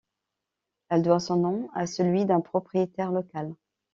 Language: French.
Elle doit son nom à celui d'un propriétaire local.